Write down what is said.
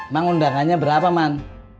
mak undangannya berapa man